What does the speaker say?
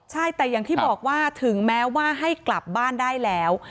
ใช่แต่อย่างที่บอกว่าถึงแม้ว่าให้กลับบ้านได้แล้ว